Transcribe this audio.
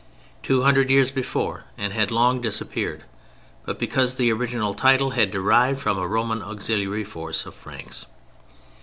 ] two hundred years before and had long disappeared—but because the original title had derived from a Roman auxiliary force of Franks.